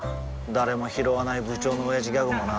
誰もひろわない部長のオヤジギャグもな